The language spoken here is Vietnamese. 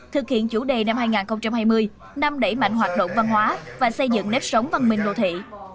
thực hiện chủ đề năm hai nghìn hai mươi năm đẩy mạnh hoạt động văn hóa và xây dựng nếp sống văn minh đô thị